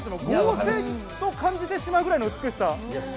合成と感じてしまうぐらいの美しさ。